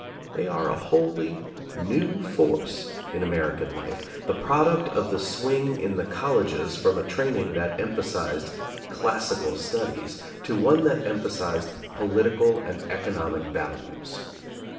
They are a wholly new force in American life, the product of the swing in the colleges from a training that emphasized classical studies to one that emphasized political and economic values.